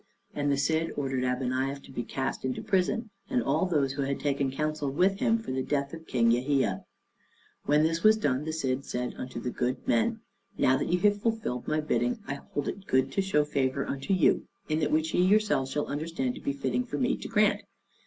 And the Cid ordered Abeniaf to be cast into prison, and all those who had taken counsel with him for the death of King Yahia. When this was done, the Cid said unto the good men, "Now that ye have fulfilled my bidding, I hold it good to show favor unto you in that which ye yourselves shall understand to be fitting for me to grant.